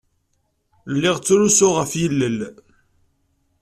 Lliɣ ttrusuɣ ɣef yilel.